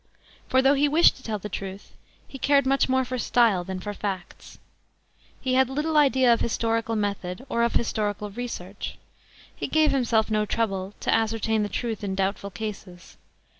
For though he wished to tell the truth, he cared much more for style than for facts. He had little idea of historical method, or of historical research. He gave himself no trouble to ascertain the truth in doubtful cases.